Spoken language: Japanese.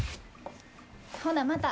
ほなまた。